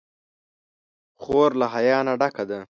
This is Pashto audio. خور له حیا نه ډکه ده.